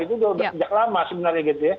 itu sudah sejak lama sebenarnya